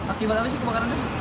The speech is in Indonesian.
akibat apa sih kebakarannya